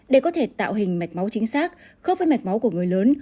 để có thể tạo hình mạch máu chính xác khớp với mạch máu của người lớn